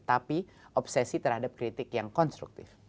tapi obsesi terhadap kritik yang konstruktif